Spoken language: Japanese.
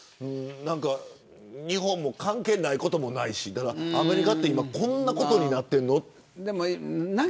日本も関係ないこともないしアメリカは今こんなことになっているのと。